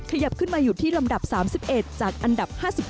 ขยับขึ้นมาอยู่ที่ลำดับ๓๑จากอันดับ๕๗